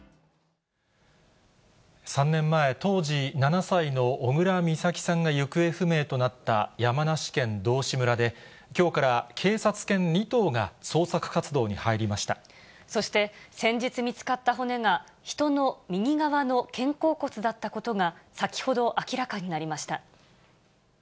３年前、当時７歳の小倉美咲さんが行方不明となった山梨県道志村で、そして先日見つかった骨が、人の右側の肩甲骨だったことが、先ほど明らかになりました。